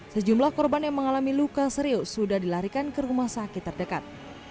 sejumlah korban yang mengalami luka serius sudah dilarikan ke rumah sakit terdekat